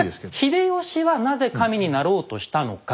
秀吉はなぜ神になろうとしたのか。